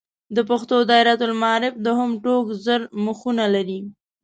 د پښتو دایرة المعارف دوهم ټوک زر مخونه لري.